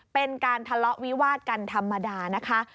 เป็นการทะเลาะวิวาดกันธรรมดานะคะ